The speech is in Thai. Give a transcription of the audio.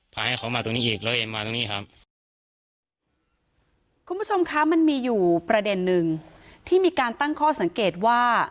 ให้เขามาตรงนี้อีกแล้วเอ็มมาตรงนี้ครับคุณผู้ชมคะมันมีอยู่ประเด็นนึงที่มีการตั้งข้อสังเกตว่า